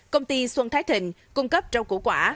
công ty xuân thái thịnh cung cấp rau củ quả